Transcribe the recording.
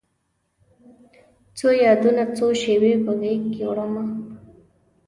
څو یادونه، څو شیبې په غیږکې وړمه